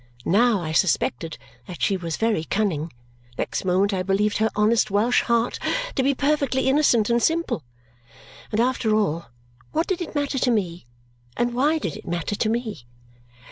Now I suspected that she was very cunning, next moment I believed her honest Welsh heart to be perfectly innocent and simple. And after all, what did it matter to me, and why did it matter to me?